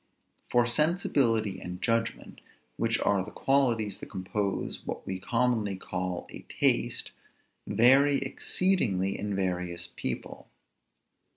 For sensibility and judgment, which are the qualities that compose what we commonly call a taste, vary exceedingly in various people.